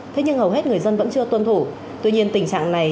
thế nhưng hầu hết người dân vẫn chưa tuân thủ tuy nhiên tình trạng này